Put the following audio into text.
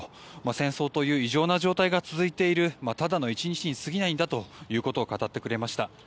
戦争という異常な状態が続いているただの１日に過ぎないんだということを語ってくれました。